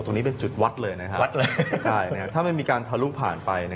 ตรงนี้เป็นจุดวัดเลยถ้ามันมีการทะลุผ่านไป